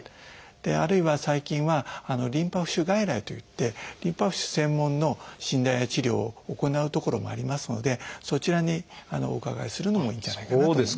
あるいは最近はリンパ浮腫外来といってリンパ浮腫専門の診断や治療を行う所もありますのでそちらにお伺いするのもいいんじゃないかなと思います。